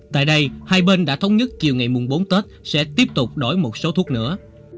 tại đây hai bên đã thống nhất chiều ngày bốn tết sẽ tiếp tục đổi một số thuốc nữa